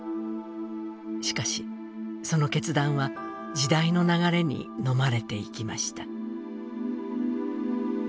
しかし、その決断は時代の流れに飲まれていきました。